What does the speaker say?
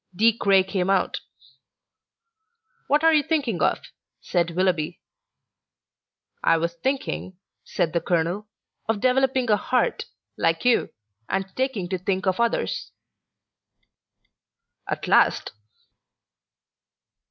De Craye came out. "What are you thinking of?" said Willoughby. "I was thinking," said the colonel, "of developing a heart, like you, and taking to think of others." "At last!"